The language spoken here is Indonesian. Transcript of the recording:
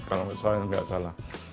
kalau saya nggak salah